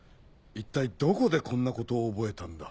一体どこでこんなことを覚えたんだ。